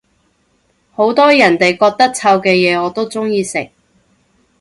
好多人哋覺得臭嘅嘢我都鍾意食